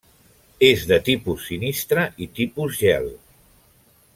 És de tipus sinistre i tipus gel.